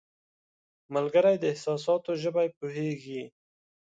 ملګری د احساساتو ژبه پوهیږي